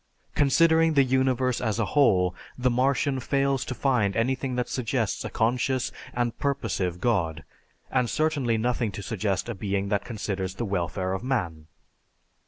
Considering the universe as a whole, the Martian fails to find anything that suggests a conscious and purposive god, and certainly nothing to suggest a being that considers the welfare of man.